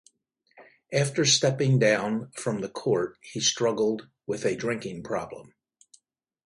After stepping down from the court he struggled with a drinking problem.